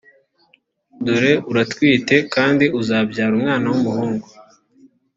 dore uratwite kandi uzabyara umwana w umuhungu.